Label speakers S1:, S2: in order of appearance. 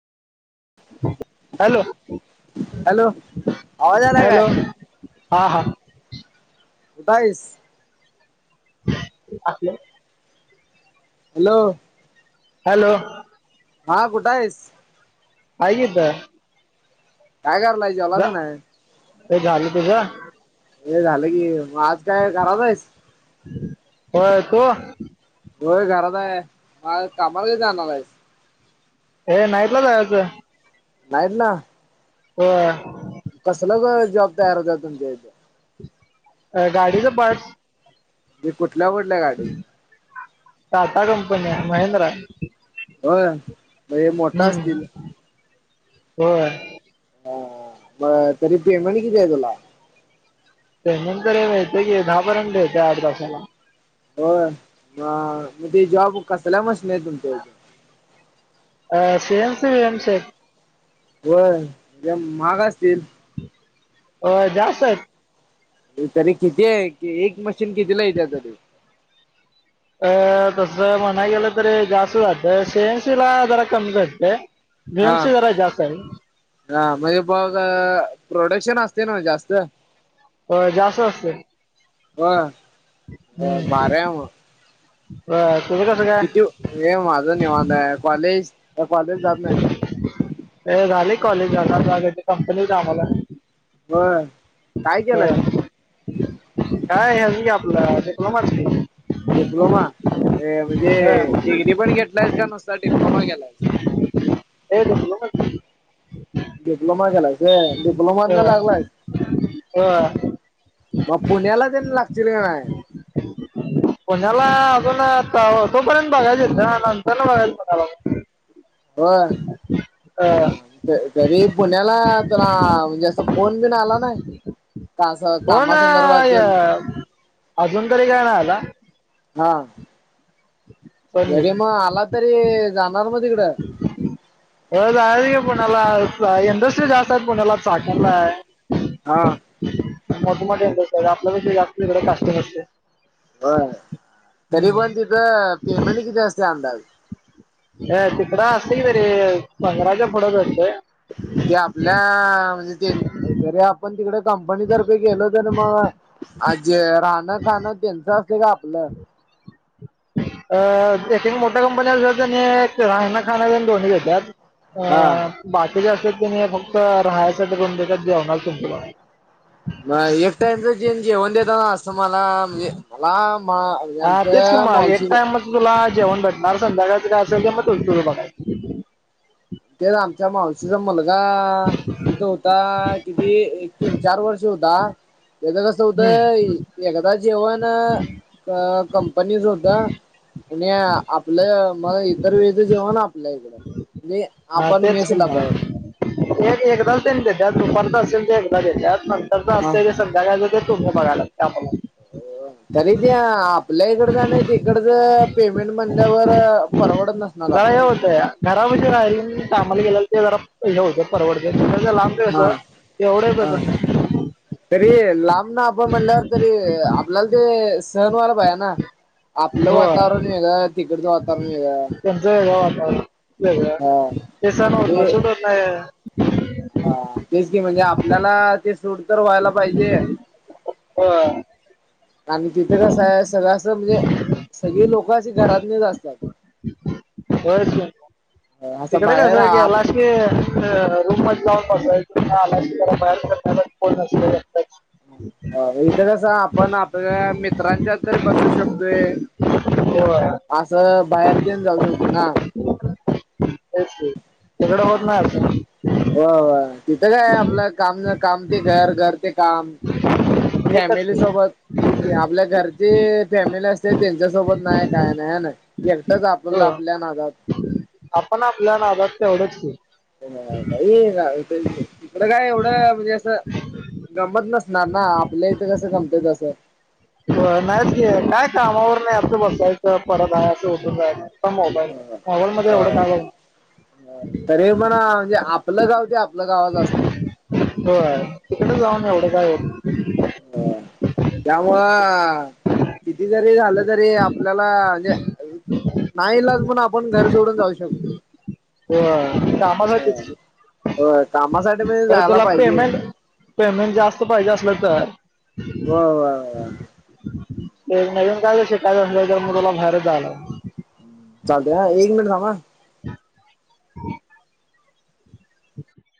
S1: Hello
S2: hello आवाज आला काय
S1: हॅलो हा हा
S2: कुठ हाईस
S1: असले
S2: हॅलो
S1: हॅलो
S2: हा गुठं आहेस
S1: ह येत
S2: काय करलायजवालां
S1: ते झालं तुझं
S2: हे झालं की मग आज काय घरात आहेस
S1: होय तो
S2: होय घरात आहे म कामाला का जाणार आहे
S1: हे नाईट ला जायायचं
S2: नाईट ला
S1: हो
S2: कसलं जॉब तयार होतत् तुमच्या इथे
S1: अ गाडीचं पार्ट
S2: म्हणजे कुठल्या कुठल्या गाडीच
S1: टाटा कंपनी आहे महिंद्रा आहे
S2: होय म मोठा असतील
S1: हो
S2: हा तरी पेमेंट किती आहे तुला
S1: ते नंतर हे माेत की दहा पर्यंत येत आठ तासाला
S2: हो मग ते जॉब कसल्याय मशन आहे तुमच्या
S1: अ सएम समश
S2: हो महाग असतील
S1: अ जास्त
S2: तरी किती आहे एक मशीन कितीला येत तरी
S1: अ तसं म्हणाय गेलं तरी जास्त जातं शेंशी ला जरा कमी घटत बीएम
S2: हा
S1: सी द जात आहे
S2: हा म्हणजे बघ प्रोडक्शन असते ना जास्त
S1: जास्त असते
S2: ह बार मग
S1: अ तुम कास
S2: किती हे माझं निवाण आहे कॉलेज कॉलेज जात नाही
S1: झाले कॉलेज आगा कंपनीत आम्हाला
S2: ब काय केलंय तू
S1: काय आ आपलं श कला मारच
S2: डिप्लोमा म्हणजे
S1: हे
S2: डिग्री पण घेतलायस का नुसता डिप्लोमा गला
S1: ए त
S2: डिप्लोमा केलायच डिप्लोमा न लागलायच
S1: बर
S2: मग पुण्याला देणे लागतील का नाही
S1: ह पुण्याला अजून आता तोपर्यंत बघायच आहेत ना नंतर न बघायचं पुण्याला.
S2: व्हय
S1: अं,
S2: हं. तरी पुण्याला तुला म्हणजे असं फोन बिन आला नाइ.
S1: हो ना अजून तरी काय नाइ आला.
S2: हा.
S1: पण
S2: जरी
S1: येईल.
S2: म आला तरी जाणार मध्ये
S1: हो जायाच की पुण्याला इंडस्ट्री जास्त हायत पुण्याला साकलाय
S2: हा.
S1: मोठे मोठे इंडस्ट्री आपल्या जास्त इकडे [unintelligible]
S2: व्हय तरी पण तिथं पेमेंट किती असते अंदाज
S1: अ तिकडं असतय तरी पंधराच्या पुुढं भेटतय.
S2: ते आपल्या म्हणजे तेन जरी आपण तिकड कंपनीतर्फे गेलो तर म आणि जे राहणं खाणं तेच असतय का आपलं?
S1: अ एक एक मोठ्या कंपन्या असत्यात कनी एक राहन, खान दोन्ही देत्तात.
S2: हा
S1: अ बाकीच अस कनी फक्त राहायचं करून देतात जेवणार तुम्हाला
S2: नाइ एक टाइमच जेन जेवण देताना असं मला म्हणजे लांब मा
S1: हा तेच कि
S2: याचं
S1: मग एक
S2: माऊशीच
S1: टाइमच तुला जेवण भेटणार संध्याकाळच काय असल ते म तुझं तुझं बघाय.
S2: तेच आमच्या मावशीचा मुलगा तिथं हुता किती एक तीन चार वर्ष हुता. तेज कसं हुत
S1: हम्म
S2: इ येगदाच जेवण अ कंपनीच हुत कुणी आपलं म इतर वेळच जेवण आपल्या इकडं
S1: हा
S2: आपण
S1: तेच की
S2: मेसला
S1: म.
S2: बाहेर
S1: एक एकदाच तेनी देत्यात दुपारचं असेल ते एकदा देत्यात नंतर
S2: हा
S1: असेल सम काय झालं तर तुम्ही बघाय लागतंय आम्ही नाइ.
S2: तरी बी आपल्या इकडचं आणि ती कडच पेमेंट म्हणल्यावर अ परवडत नसणार
S1: जरा हे
S2: आपल्या ते
S1: होतंय घरापाशी राहिलेलं कामाला गेल्याल ते जरा [unintelligible] परवडतेय खरं लांब
S2: हाआ आ तरी लांब आपण म्हणल्यावर तरी आपल्याला ते सन व्हायला पाये ना आपलं
S1: होय.
S2: वातावरण आपण वेगळं तिकडचं वातावरण वेगळं
S1: तेचं वेगळं वातावरण वेगळं
S2: हा
S1: ते सनं होत नाइ सूट होत नाहीय.
S2: आ तेच की म्हणजे आपल्याला ते सूट तर व्हायला पाहिजे.
S1: व्हय.
S2: आणि तिथं कसाय सगळं आस म्हणजे सगळी लोकं अशी घरातलीच असत्यात.
S1: व्हयच की म
S2: असं
S1: तिकडं
S2: बाहेर
S1: कसाय गेलास ते अ रूम मध्ये जाऊन बसायचं तितन आलास जरा बाहेर [unintelligible]
S2: अं इथं कसं आपण आपल्या मित्रांच्यात तरी बसू शकतोय.
S1: होय.
S2: आस बाहेर घेऊन जाऊ शकतोय ना.
S1: तेचं तिकडं होत नाय
S2: व्हय व्हय इथं काय आपलं काम काम ते घर घर ते काम
S1: एकच
S2: फॅमिली
S1: की
S2: सोबत ठीक काय आपल्या घरचे फॅमिली असते तेच्यासोबत नाय काय नाय हे नाय. एकटाच आपुण
S1: हो
S2: आपल्या नादात
S1: आपण आपल्या नादात तेवढंच की
S2: [unintelligible] इकडं काय एवढं म्हणजे आसं जमत नसणार ना आपल्या इथं कसं जमतं तसं
S1: व्ह नाय ती काय कामावरन यायचं बसायचं परत जायचं उठून जाय [inaudible] प मोबाईल मोबाईल मध्ये
S2: अ
S1: एवढं काय ये
S2: तरी म्हणा म्हणजे आपलं गाव ते आपलं गावाच असतय
S1: होय तिकड जाऊन एवढं काय हो [inaudible]
S2: [unintelligible] त्यामुळं किती जरी झालं तरी आपल्याला म्हणजे ना इलाज म्हणून आपण घर सोडून जाऊ शकतो
S1: होय
S2: [unintelligible]
S1: कामासाठीच की
S2: होय कामासाठी म्हणजे
S1: तर
S2: जायला
S1: तुला
S2: पाहिजे
S1: पेमेंट पेमेंट जास्त पाहिजे असलं तर
S2: व्हय व्हय वो [inaudible]
S1: ते नवीन [inaudible] मुलाला बाहेरच जावं लागल
S2: चालत हं एक मिनिटं थांब-अ
S1: [unintelligible] [unintelligible]